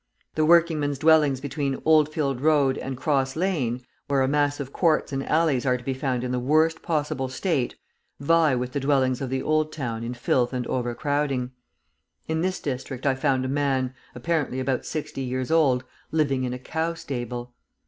The working men's dwellings between Oldfield Road and Cross Lane, where a mass of courts and alleys are to be found in the worst possible state, vie with the dwellings of the Old Town in filth and overcrowding. In this district I found a man, apparently about sixty years old, living in a cow stable.